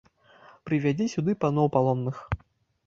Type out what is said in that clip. Прывядзі сюды паноў палонных!